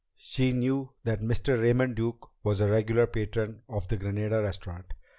She knew that Mr. Raymond Duke was a regular patron of the Granada Restaurant.